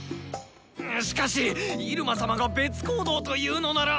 しかし入間様が別行動と言うのなら。